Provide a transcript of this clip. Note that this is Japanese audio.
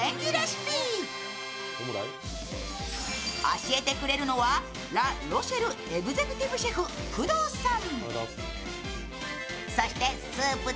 教えてくれるのは、ラ・ロシェルエグゼクティブシェフ、工藤さん。